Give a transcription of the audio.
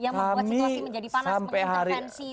yang membuat situasi menjadi panas mengintervensi